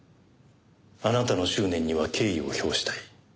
あなたの執念には敬意を表したい。